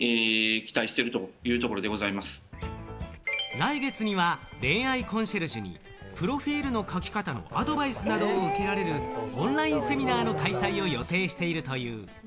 来月には恋愛コンシェルジュにプロフィルの書き方などのアドバイスを受けられるオンラインセミナーの開催を予定している。